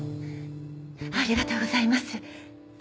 ありがとうございます。